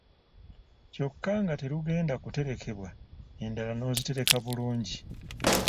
Kyokka nga terugenda kuterekebwa, endala n’ozitereka bulungi